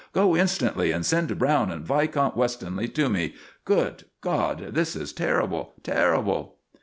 Go instantly, and send Browne and Viscount Westonleigh to me. Good God! this is terrible terrible!"